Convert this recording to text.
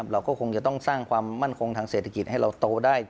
เราก็คงจะต้องสร้างความมั่นคงทางเศรษฐกิจให้เราโตได้